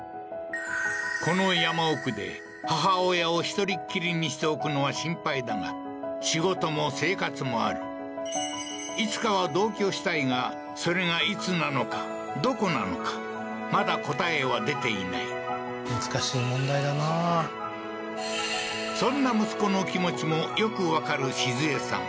この山奥で母親を１人っきりにしておくのは心配だが仕事も生活もあるいつかは同居したいがそれがいつなのかどこなのかまだ答えは出ていない難しい問題だなそんな息子の気持ちもよくわかるしず恵さん